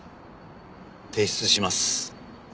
提出します。